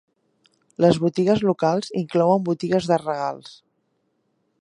Les botigues locals inclouen botigues de regals.